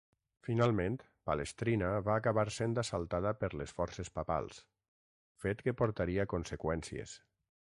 Finalment, Palestrina va acabar sent assaltada per les forces papals, fet que portaria conseqüències.